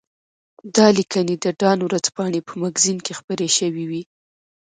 دا لیکنې د ډان ورځپاڼې په مګزین کې خپرې شوې وې.